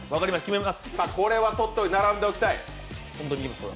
これは取って並んでおきたい。